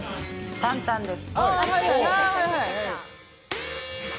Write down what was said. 簡単です。